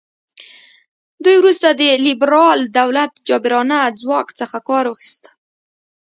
دوی وروسته د لیبرال دولت جابرانه ځواک څخه کار واخیست.